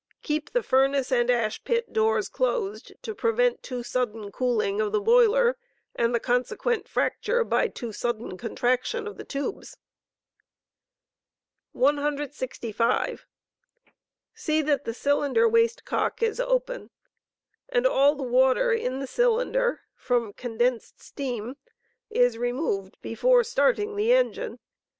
Keep the furnace and ash pit doors closed to prevent too sudden cooling of the boiler and the consequent fracture by too sudden contraction of the tubes. 165. See that the cylinder waste cock is open, and all the water in the cylinder from st»rti»« «. condensed steam is removed before starting the engine.